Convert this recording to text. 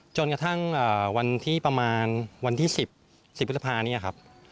จนกระทั่งวันที่ประมาณวันที่๑๐๑๐พฤษภานี้ครับ